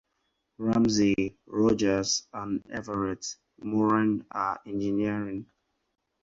Ramsey, Rogers, and Everett Moran are engineering.